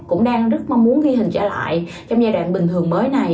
cũng đang rất mong muốn ghi hình trở lại trong giai đoạn bình thường mới này